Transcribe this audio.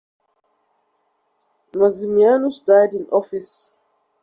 Maximianus died in office.